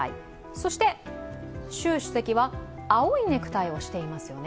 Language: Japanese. そして、習主席は青いネクタイをしていますよね。